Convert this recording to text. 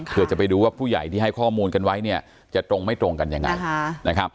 เพื่อจะไปดูว่าผู้ใหญ่ที่ให้ข้อมูลกันไว้เนี่ยจะตรงไม่ตรงกันยังไงนะครับ